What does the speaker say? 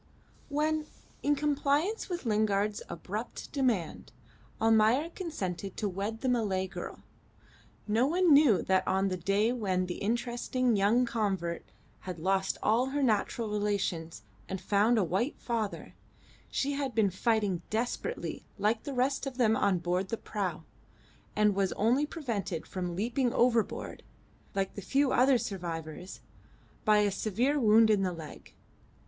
When, in compliance with Lingard's abrupt demand, Almayer consented to wed the Malay girl, no one knew that on the day when the interesting young convert had lost all her natural relations and found a white father, she had been fighting desperately like the rest of them on board the prau, and was only prevented from leaping overboard, like the few other survivors, by a severe wound in the leg.